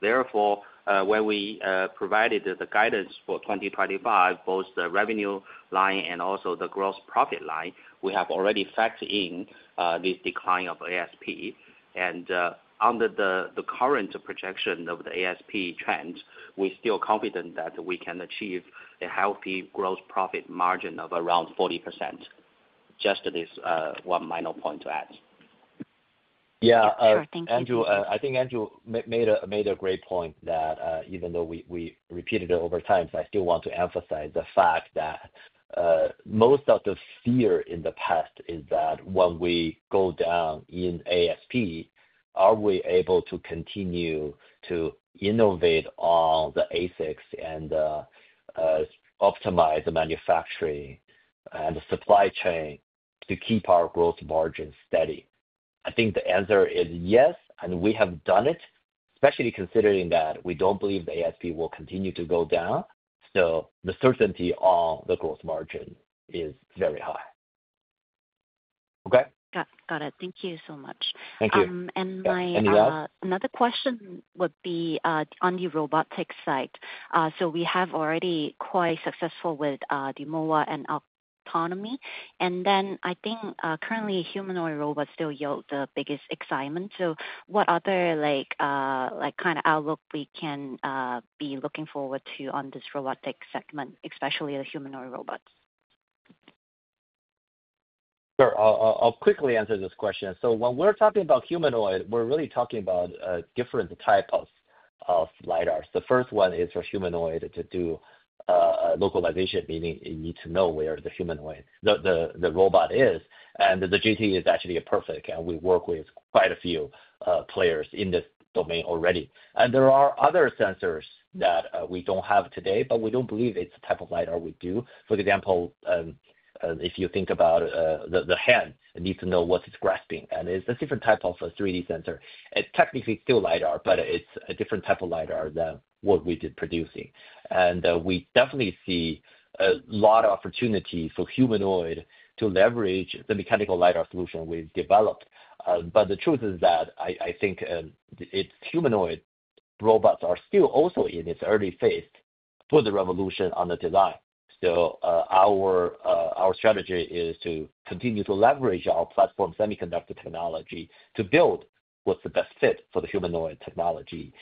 Therefore, when we provided the guidance for 2025, both the revenue line and also the gross profit line, we have already factored in this decline of ASP. Under the current projection of the ASP trend, we're still confident that we can achieve a healthy gross profit margin of around 40%. Just this one final point to add. Sure. Thank you. I think Andrew made a great point that even though we repeated it over time, I still want to emphasize the fact that most of the fear in the past is that when we go down in ASP, are we able to continue to innovate on the ASIC and optimize the manufacturing and the supply chain to keep our gross margin steady? I think the answer is yes, and we have done it, especially considering that we do not believe the ASP will continue to go down. The certainty on the gross margin is very high. Okay? Got it. Thank you so much. Thank you. My another question would be on the robotics side. We have already quite successful with the mower and Agtonomy. I think currently, humanoid robots still yield the biggest excitement. What other kind of outlook can we be looking forward to on this robotic segment, especially the humanoid robots? Sure. I'll quickly answer this question. When we're talking about humanoid, we're really talking about different types of LiDAR. The first one is for humanoid to do localization, meaning you need to know where the humanoid, the robot is. The GT is actually perfect, and we work with quite a few players in this domain already. There are other sensors that we don't have today, but we don't believe it's the type of LiDAR we do. For example, if you think about the hand, it needs to know what it's grasping. It's a different type of a 3D sensor. It's technically still LiDAR, but it's a different type of LiDAR than what we did producing. We definitely see a lot of opportunity for humanoid to leverage the mechanical LiDAR solution we've developed. The truth is that I think humanoid robots are still also in its early phase for the revolution on the design. Our strategy is to continue to leverage our platform semiconductor technology to build what's the best fit for the humanoid technology.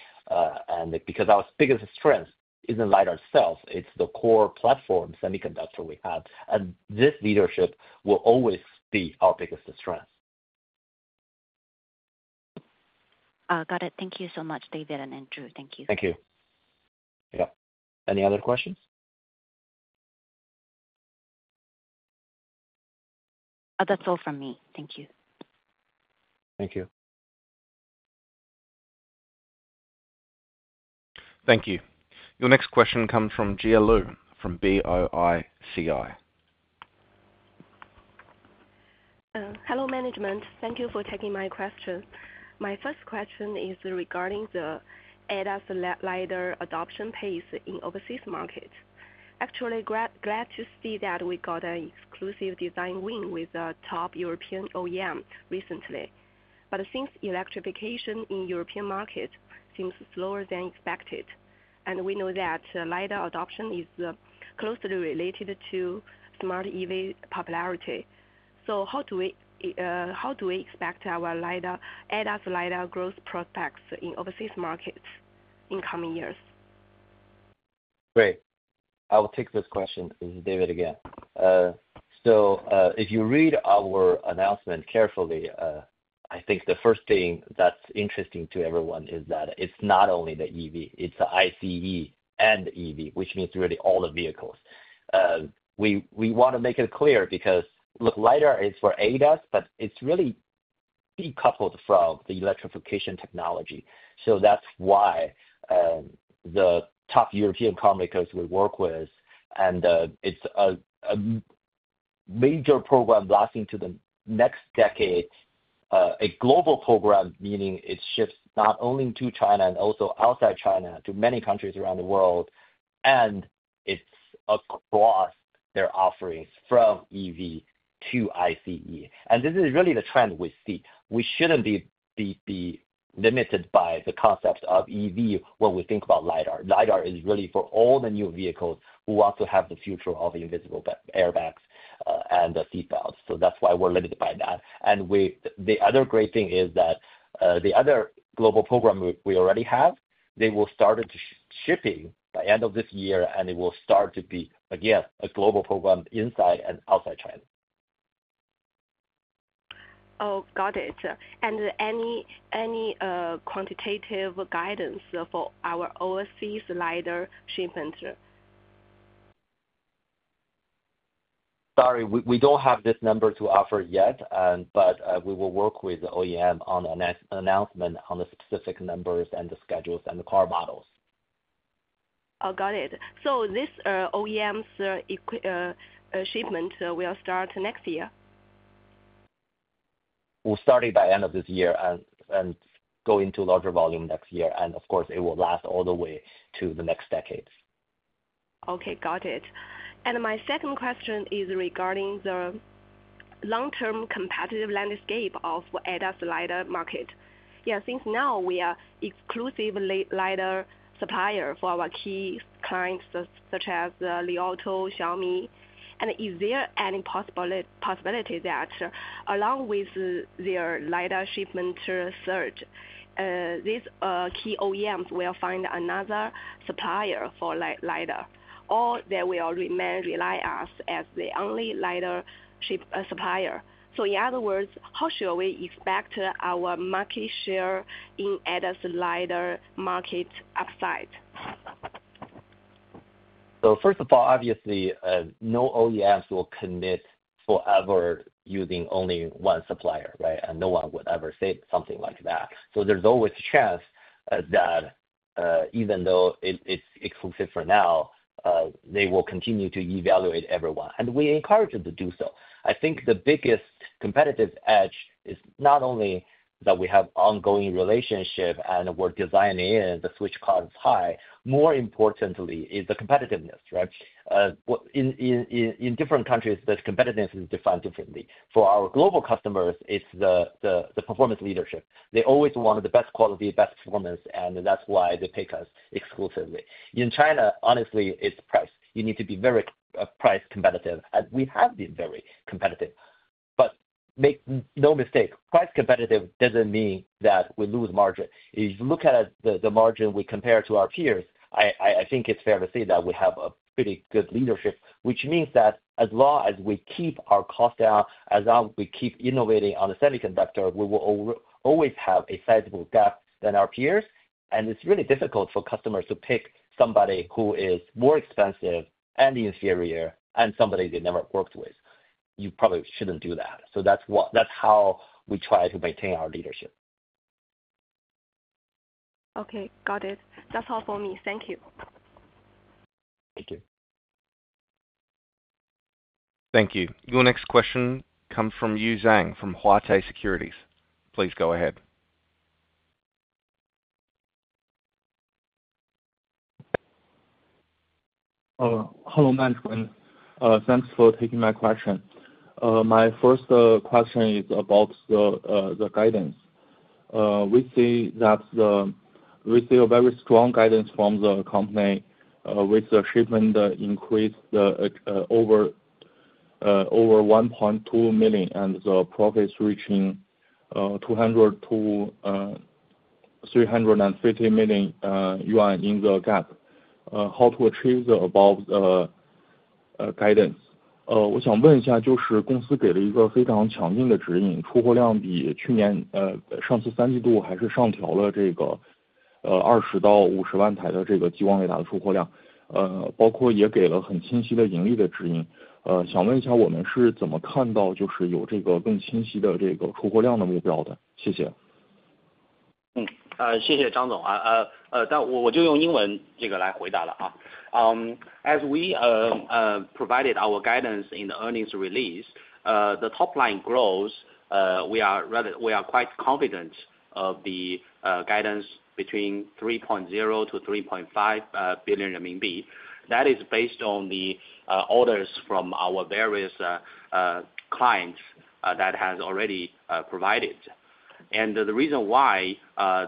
Because our biggest strength is not LiDAR itself, it's the core platform semiconductor we have. This leadership will always be our biggest strength. Got it. Thank you so much, David and Andrew. Thank you. Thank you. Yeah. Any other questions? That's all from me. Thank you. Thank you. Thank you. Your next question comes from Jia Lu from BOICI. Hello, management. Thank you for taking my question. My first question is regarding the ADAS LiDAR adoption pace in overseas markets. Actually, glad to see that we got an exclusive design win with a top European OEM recently. Since electrification in European markets seems slower than expected, and we know that LiDAR adoption is closely related to smart EV popularity, how do we expect our ADAS LiDAR growth prospects in overseas markets in coming years? Great. I'll take this question. This is David again. If you read our announcement carefully, I think the first thing that's interesting to everyone is that it's not only the EV, it's the ICE and the EV, which means really all the vehicles. We want to make it clear because, look, LiDAR is for ADAS, but it's really decoupled from the electrification technology. That's why the top European carmakers we work with, and it's a major program lasting to the next decade, a global program, meaning it shifts not only to China and also outside China to many countries around the world, and it's across their offerings from EV to ICE. This is really the trend we see. We shouldn't be limited by the concept of EV when we think about LiDAR. LiDAR is really for all the new vehicles who want to have the future of invisible airbags and the seatbelts. That is why we're limited by that. The other great thing is that the other global program we already have, they will start shipping by the end of this year, and it will start to be, again, a global program inside and outside China. Oh, got it. Any quantitative guidance for our overseas LiDAR shipment? Sorry, we don't have this number to offer yet, but we will work with the OEM on an announcement on the specific numbers and the schedules and the car models. Oh, got it. This OEM shipment will start next year? We'll start it by the end of this year and go into larger volume next year. It will last all the way to the next decade. Okay, got it. My second question is regarding the long-term competitive landscape of the ADAS LiDAR market. Yeah, since now we are exclusively LiDAR suppliers for our key clients such as Li Auto, Xiaomi, is there any possibility that along with their LiDAR shipment surge, these key OEMs will find another supplier for LiDAR, or they will remain relying on us as the only LiDAR supplier? In other words, how should we expect our market share in the ADAS LiDAR market upside? First of all, obviously, no OEMs will commit forever using only one supplier, right? No one would ever say something like that. There is always a chance that even though it is exclusive for now, they will continue to evaluate everyone. We encourage them to do so. I think the biggest competitive edge is not only that we have ongoing relationships and we are designing it, the switch cost is high. More importantly, it is the competitiveness, right? In different countries, the competitiveness is defined differently. For our global customers, it is the performance leadership. They always want the best quality, best performance, and that is why they pick us exclusively. In China, honestly, it is price. You need to be very price competitive. We have been very competitive. Make no mistake, price competitive does not mean that we lose margin. If you look at the margin we compare to our peers, I think it's fair to say that we have a pretty good leadership, which means that as long as we keep our costs down, as long as we keep innovating on the semiconductor, we will always have a sizable gap than our peers. It is really difficult for customers to pick somebody who is more expensive and inferior and somebody they never worked with. You probably shouldn't do that. That is how we try to maintain our leadership. Okay, got it. That's all for me. Thank you. Thank you. Thank you. Your next question comes from Yu Zhang from Huatai Securities. Please go ahead. Hello, management. Thanks for taking my question. My first question is about the guidance. We see a very strong guidance from the company with the shipment increase over 1.2 million and the profits reaching 200 million-350 million yuan in the GAAP. How to achieve the above guidance? As we provided our guidance in the earnings release, the top line growth, we are quite confident of the guidance between 3.0 billion-3.5 billion renminbi. That is based on the orders from our various clients that have already provided. The reason why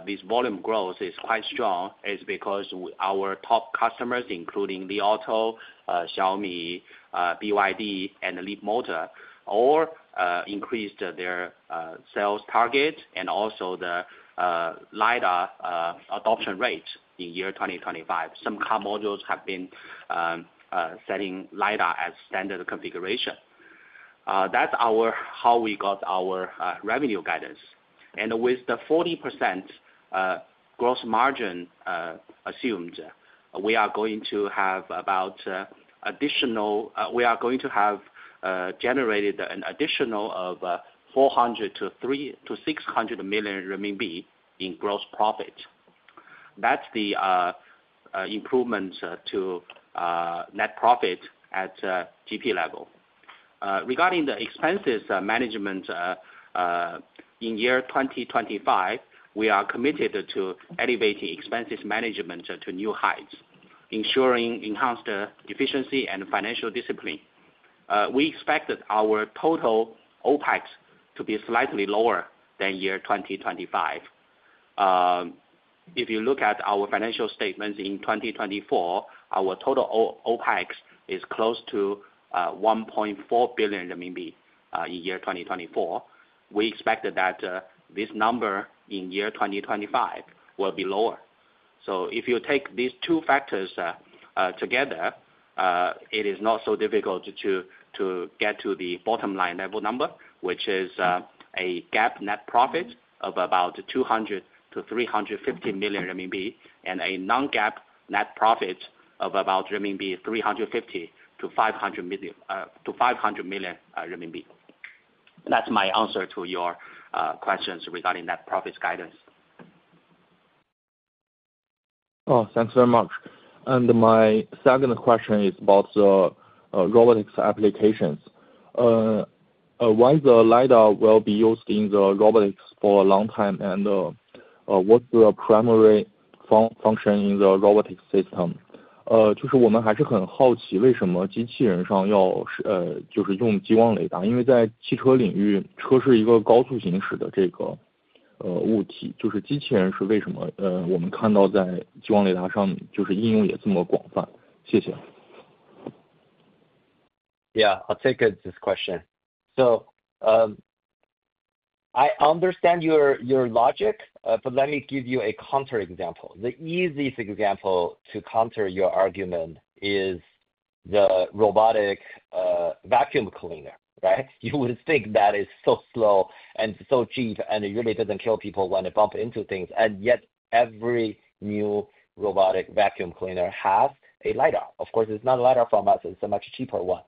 this volume growth is quite strong is because our top customers, including Li Auto, Xiaomi, BYD, and Leapmotor, all increased their sales targets and also the LiDAR adoption rate in year 2025. Some car models have been setting LiDAR as standard configuration. That is how we got our revenue guidance. With the 40% gross margin assumed, we are going to have about additional, we are going to have generated an additional of 400 million-600 million renminbi in gross profit. That is the improvement to net profit at GP level. Regarding the expenses management in year 2025, we are committed to elevating expenses management to new heights, ensuring enhanced efficiency and financial discipline. We expect that our total OpEx to be slightly lower than year 2024. If you look at our financial statements in 2024, our total OpEx is close to 1.4 billion renminbi in year 2024. We expect that this number in year 2025 will be lower. If you take these two factors together, it is not so difficult to get to the bottom line level number, which is a GAAP net profit of about 200-350 million RMB and a non-GAAP net profit of about 350-500 million RMB. That is my answer to your questions regarding that profits guidance. Oh, thanks very much. My second question is about the robotics applications. Why the LiDAR will be used in the robotics for a long time and what's the primary function in the robotics system? 就是我们还是很好奇为什么机器人上要就是用激光雷达，因为在汽车领域，车是一个高速行驶的这个物体。就是机器人是为什么我们看到在激光雷达上就是应用也这么广泛？谢谢。Yeah, I'll take this question. I understand your logic, but let me give you a counter example. The easiest example to counter your argument is the robotic vacuum cleaner, right? You would think that is so slow and so cheap and it really doesn't kill people when it bumps into things. Yet every new robotic vacuum cleaner has a LiDAR. Of course, it's not a LiDAR from us, it's a much cheaper one.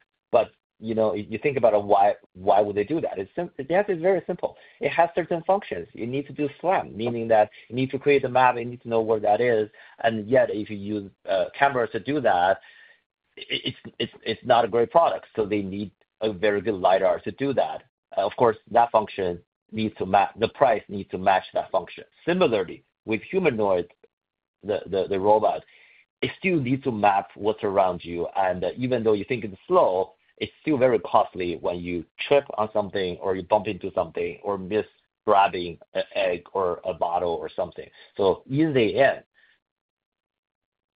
You think about why would they do that? The answer is very simple. It has certain functions. You need to do SLAM, meaning that you need to create a map, you need to know where that is. Yet if you use cameras to do that, it's not a great product. They need a very good LiDAR to do that. Of course, that function needs to map, the price needs to match that function. Similarly, with humanoids, the robot, it still needs to map what's around you. Even though you think it's slow, it's still very costly when you trip on something or you bump into something or miss grabbing an egg or a bottle or something. In the end,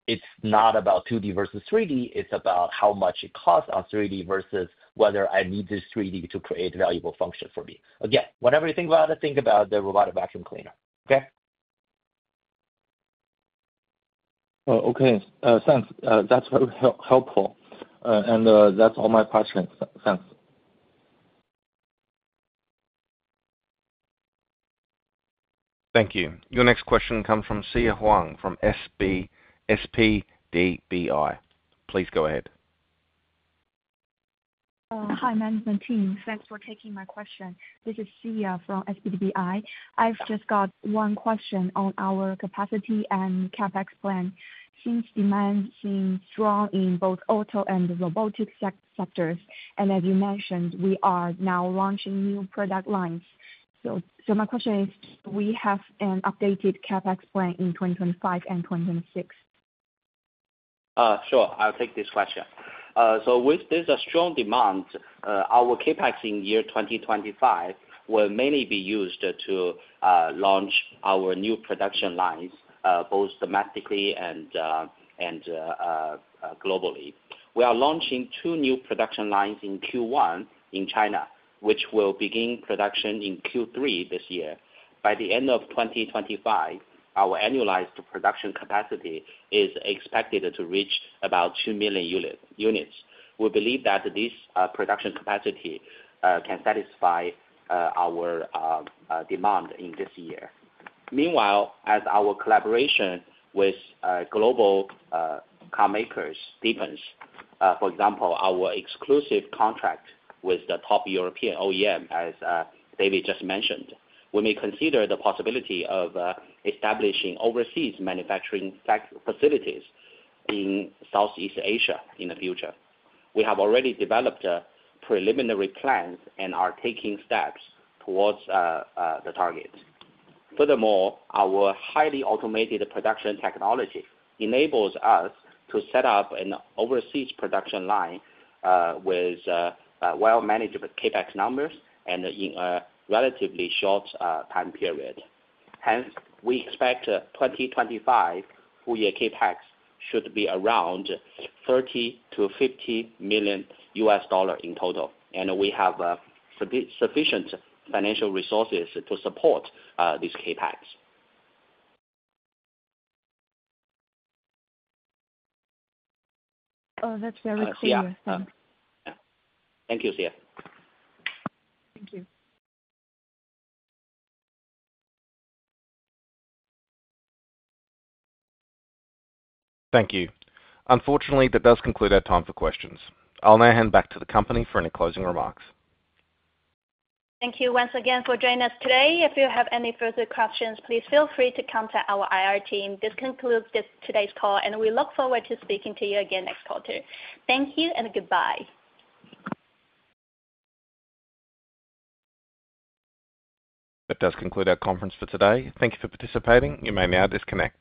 it's not about 2D versus 3D, it's about how much it costs on 3D versus whether I need this 3D to create valuable function for me. Again, whatever you think about it, think about the robotic vacuum cleaner, okay? Okay, thanks. That's very helpful. That's all my questions, thanks. Thank you. Your next question comes from Sia Huang from SPDBI. Please go ahead. Hi, management team. Thanks for taking my question. This is Xia from SPDBI. I've just got one question on our capacity and CapEx plan. Since demand seems strong in both auto and robotics sectors, and as you mentioned, we are now launching new product lines. My question is, do we have an updated CapEx plan in 2025 and 2026? Sure, I'll take this question. With this strong demand, our CapEx in year 2025 will mainly be used to launch our new production lines, both domestically and globally. We are launching two new production lines in Q1 in China, which will begin production in Q3 this year. By the end of 2025, our annualized production capacity is expected to reach about 2 million units. We believe that this production capacity can satisfy our demand in this year. Meanwhile, as our collaboration with global carmakers deepens, for example, our exclusive contract with the top European OEM, as David just mentioned, we may consider the possibility of establishing overseas manufacturing facilities in Southeast Asia in the future. We have already developed preliminary plans and are taking steps towards the target. Furthermore, our highly automated production technology enables us to set up an overseas production line with well-managed CapEx numbers and in a relatively short time period. Hence, we expect 2025 full year CapEx should be around $30 million-$50 million in total. We have sufficient financial resources to support this CapEx. Oh, that's very clear. Thank you. Thank you, Sia. Thank you. Thank you. Unfortunately, that does conclude our time for questions. I'll now hand back to the company for any closing remarks. Thank you once again for joining us today. If you have any further questions, please feel free to contact our IR team. This concludes today's call, and we look forward to speaking to you again next quarter. Thank you and goodbye. That does conclude our conference for today. Thank you for participating. You may now disconnect.